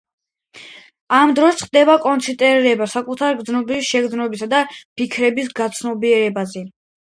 ამ დროს ხდება კონცენტრირება საკუთარი გრძნობების, შეგრძნებებისა და ფიქრების გაცნობიერებაზე.